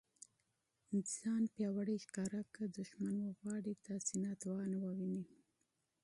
ځان قوي ښکاره که! دوښمن مو غواړي تاسي کمزوری وویني.